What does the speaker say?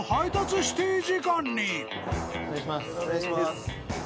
お願いします。